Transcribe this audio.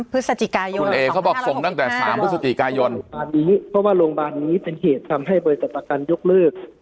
เพราะว่าโรงพยาบาลนี้เป็นเหตุทำให้บริษัทประกันยกเลิก